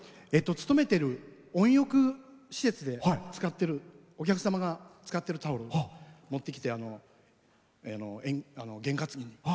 勤めてる温浴施設でお客様が使ってるタオルを持ってきて、験担ぎに。